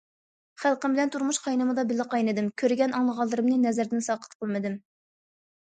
خەلقىم بىلەن تۇرمۇش قاينىمىدا بىللە قاينىدىم، كۆرگەن، ئاڭلىغانلىرىمنى نەزەردىن ساقىت قىلمىدىم.